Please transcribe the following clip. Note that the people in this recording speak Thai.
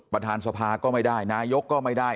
ประธานสภาก็ไม่ได้นายกก็ไม่ได้